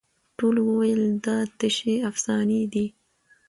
ټولو وویل دا تشي افسانې دي